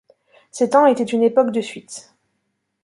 Ces temps étaient une époque de fuites.